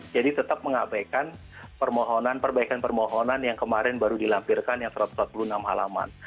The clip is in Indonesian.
jadi tetap mengabaikan permohonan perbaikan permohonan yang kemarin baru dilampirkan yang satu ratus empat puluh enam halaman